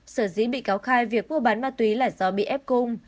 sở dĩ bị cáo khai việc mua bán ma túy là do bị ép cung